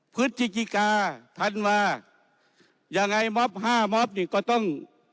พฤตธิกิกาท่านว่ายังไงมอบ๕มอบนี้ก็ต้อง